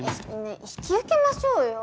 ねぇ引き受けましょうよ。